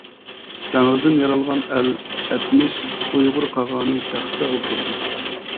تەڭرىدىن يارالغان ئەل ئەتمىش ئۇيغۇر قاغانى تەختتە ئولتۇردى.